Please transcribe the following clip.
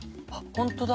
本当だ。